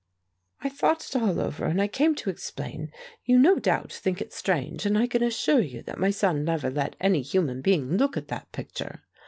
"I thought it all over, and I came to explain. You no doubt think it strange; and I can assure you that my son never let any human being look at that picture.